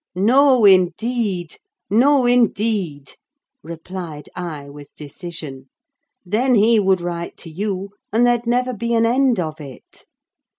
"No, indeed! no, indeed!" replied I with decision. "Then he would write to you, and there'd never be an end of it.